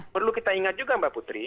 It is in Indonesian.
perlu kita ingat juga mbak putri